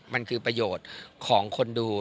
มันคือประโยชน์ของคนดู